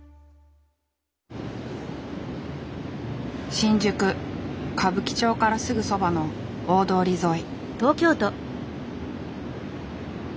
新宿・歌舞伎町からすぐそばの大通り沿い。